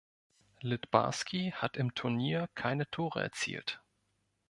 Littbarski hat im Turnier keine Tore erzielt.